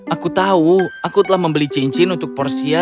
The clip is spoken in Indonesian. aku tahu aku telah membeli cincin untuk porsia